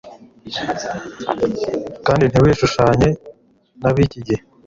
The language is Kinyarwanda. Kandi ntimwishushanye nabiki gihe